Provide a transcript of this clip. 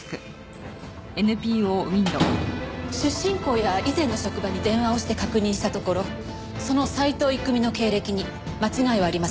出身校や以前の職場に電話をして確認したところその斉藤郁美の経歴に間違いはありませんでした。